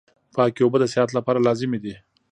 پاکي اوبه د صحت لپاره لازمي دي.